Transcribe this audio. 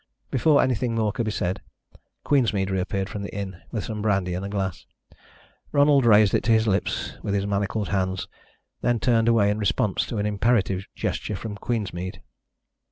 Before anything more could be said Queensmead reappeared from the inn with some brandy in a glass. Ronald raised it to his lips with his manacled hands, then turned away in response to an imperative gesture from Queensmead.